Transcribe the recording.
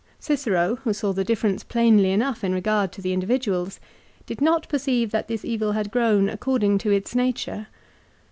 Cicero, who saw the difference plainly enough in regard to the individuals, did not perceive that this evil had grown according to its nature.